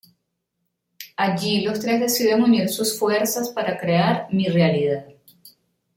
Allí los tres deciden unir sus fuerzas para crear "Mi Realidad".